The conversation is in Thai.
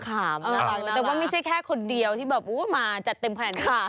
แต่ว่ามันไม่ใช่แค่คนเดียวที่มาจัดเต็มแผน